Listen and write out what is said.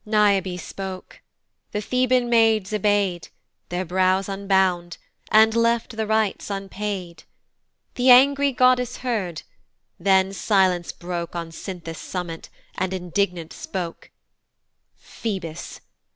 Niobe spoke. The Theban maids obey'd, Their brows unbound, and left the rights unpaid. The angry goddess heard, then silence broke On Cynthus' summit, and indignant spoke; "Phoebus!